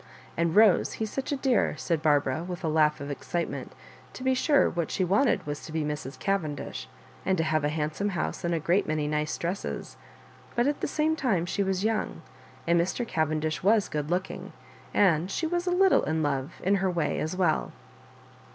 And, Bose, he's such a dear," said Barbara, with a laugh of excitement To be sure, what she wanted was to be Mrs. Cavendish, and to have a handsome house and a great many nice dresses; but at the same time she was young, and Mr. Cavendish was good looking, and she was a little in love, in her way, as well.